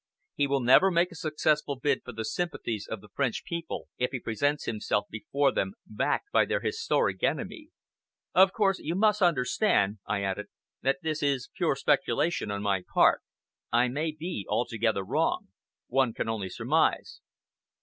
He will never make a successful bid for the sympathies of the French people, if he presents himself before them backed by their historic enemy. Of course, you must understand," I added, "that this is pure speculation on my part. I may be altogether wrong. One can only surmise."